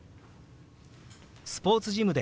スポーツジムで。